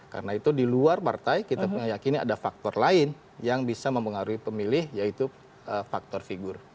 karena itu di luar partai kita yakin ada faktor lain yang bisa mempengaruhi pemilih yaitu faktor figur